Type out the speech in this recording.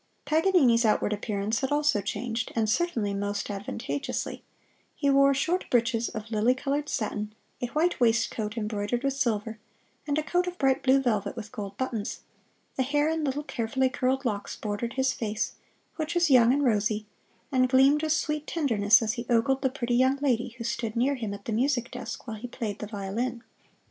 Paganini's outward appearance had also changed, and certainly most advantageously; he wore short breeches of lily colored satin, a white waistcoat embroidered with silver, and a coat of bright blue velvet with gold buttons; the hair in little carefully curled locks bordered his face, which was young and rosy, and gleamed with sweet tenderness as he ogled the pretty young lady who stood near him at the music desk, while he played the violin.